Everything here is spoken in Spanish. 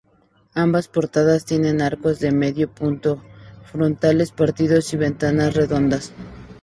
Ambas portadas tienen arcos de medio punto, frontones partidos y ventanas redondas.